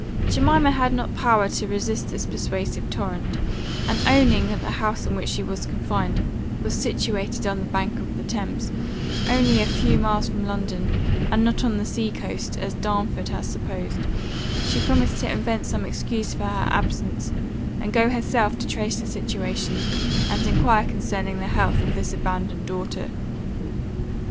Jemima had not power to resist this persuasive torrent; and, owning that the house in which she was confined, was situated on the banks of the Thames, only a few miles from London, and not on the sea coast, as Darnford had supposed, she promised to invent some excuse for her absence, and go herself to trace the situation, and enquire concerning the health, of this abandoned daughter.